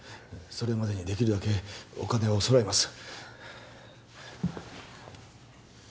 それまでにできるだけお金を揃えます